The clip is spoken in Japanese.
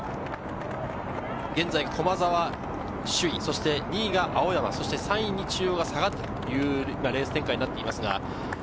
現在、駒澤首位、２位が青山、そして３位に中央が下がるというレース展開になっています。